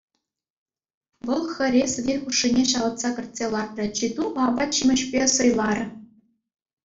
Вӑл хӗре сӗтел хушшине ҫавӑтса кӗртсе лартрӗ, чи тутлӑ апат-ҫимӗҫпе сӑйларӗ.